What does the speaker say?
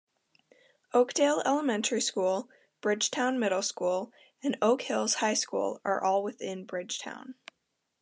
Oakdale Elementary School, Bridgetown Middle School and Oak Hills High School are within Bridgetown.